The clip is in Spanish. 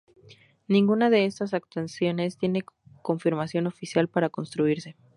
Ninguna de estas actuaciones tiene confirmación oficial para construirse.